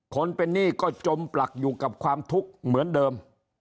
คนเป็นหนี้ก็จมปลักอยู่กับความทุกข์เหมือนเดิม